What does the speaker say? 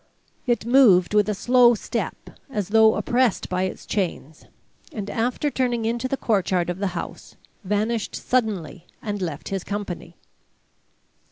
It moved with a slow step, as though oppressed by its chains, and, after turning into the courtyard of the house, vanished suddenly and left his company.